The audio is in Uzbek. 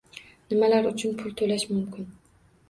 Nimalar uchun pul to‘lash mumkin -